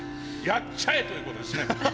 「やっちゃえ」ということですね。